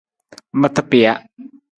Mata pija.